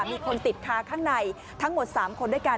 มีคนติดค้าข้างในทั้งหมด๓คนด้วยกัน